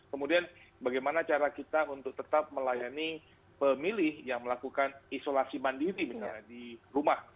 kemudian bagaimana cara kita untuk tetap melayani pemilih yang melakukan isolasi mandiri misalnya di rumah